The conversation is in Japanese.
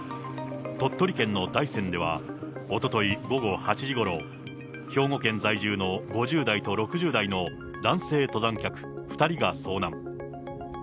鳥取県の大山ではおととい午後８時ごろ、兵庫県在住の５０代と６０代の男性登山客２人が遭難。